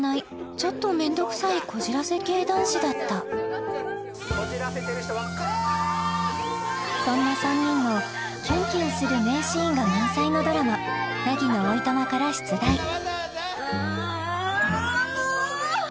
ちょっと面倒くさいこじらせ系男子だったそんな３人のキュンキュンする名シーンが満載のドラマ「凪のお暇」から出題あもう！